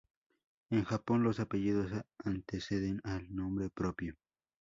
En Japón los apellidos anteceden al nombre propio.